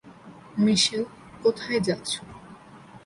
মিশেল, কোথায় যাচ্ছো?